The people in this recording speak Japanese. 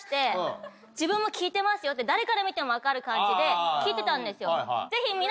誰から見ても分かる感じで聞いてたんですよ。